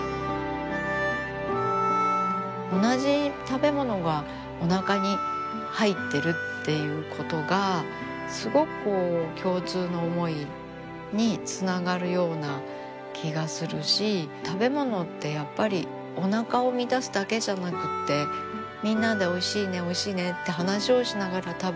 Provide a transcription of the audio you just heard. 同じ食べ物がおなかに入ってるっていうことがすごくこう共通の思いにつながるような気がするし食べ物ってやっぱりおなかを満たすだけじゃなくてみんなで「おいしいねおいしいね」って話をしながら食べること